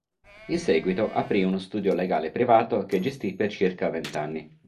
In seguito aprì uno studio legale privato che gestì per circa vent'anni.